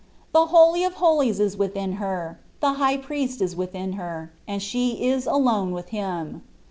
The Holy of Holies is with in her, the High Priest is within her, and she is alone with Him.